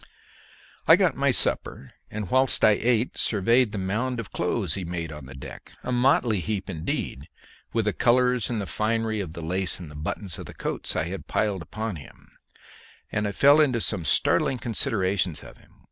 I got my supper, and whilst I ate surveyed the mound of clothes he made on the deck a motley heap indeed, with the colours and the finery of the lace and buttons of the coats I had piled upon him and fell into some startling considerations of him.